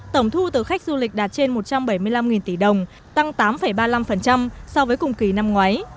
tổng thu từ khách du lịch đạt trên một trăm bảy mươi năm tỷ đồng tăng tám ba mươi năm so với cùng kỳ năm ngoái